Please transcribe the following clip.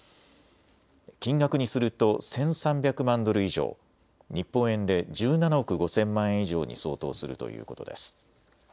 金額にすると１３００万ドル以上、日本円で１７億５０００万円以上に相当するということです。